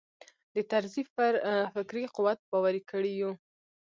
د طرزي پر فکري قوت باوري کړي یو.